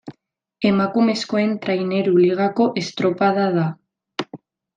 Emakumezkoen Traineru Ligako estropada da.